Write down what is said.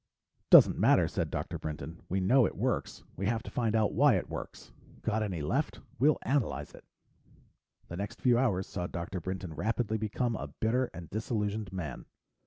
"Doesn't matter," said Dr. Brinton. "We know it works; we have to find out why it works. Got any left? We'll analyze it." The next few hours saw Dr. Brinton rapidly become a bitter and disillusioned man.